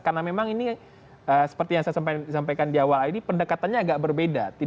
karena memang ini seperti yang saya sampaikan di awal ini pendekatannya agak berbeda